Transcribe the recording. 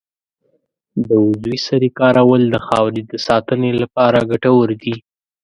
د عضوي سرې کارول د خاورې د ساتنې لپاره ګټور دي.